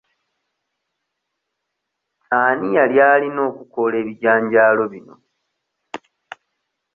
Ani yali alina okukoola ebijanjaalo bino?